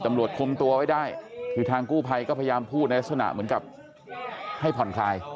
ตำรวจคุมตัวไว้ได้คือทางกู้ภัยก็พยายามพูดในลักษณะเหมือนกับให้ผ่อนคลาย